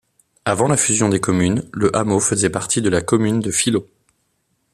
Avant la fusion des communes, le hameau faisait partie de la commune de Filot.